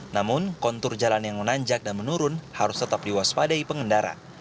namun kontur jalan yang menanjak dan menurun harus tetap diwaspadai pengendara